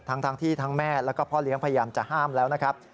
ทั้งที่ทั้งแม่แล้วก็พ่อเลี้ยงพยายามจะห้ามแล้วนะครับ